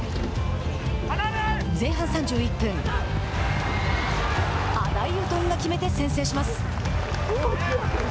前半３１分アダイウトンが決めて先制します。